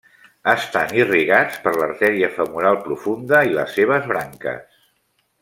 Estan irrigats per l'artèria femoral profunda i les seves branques.